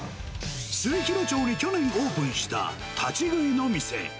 末広町に去年オープンした、立ち食いの店。